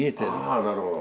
なるほど。